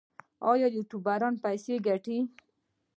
آیا یوټیوبران پیسې ګټي؟